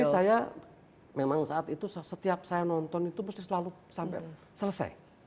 jadi saya memang saat itu setiap saya nonton itu mesti selalu sampai selesai